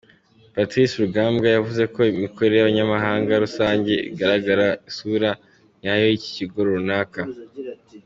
Patrice Rugambwa, yavuze ko imikorere y’Abanyamabanga rusange igaragaza isura nyayo y’ikigo runaka.